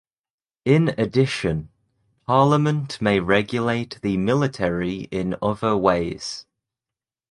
In addition, Parliament may regulate the military in other ways.